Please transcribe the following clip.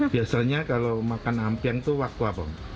biasanya kalau makan ampiang itu waktu apa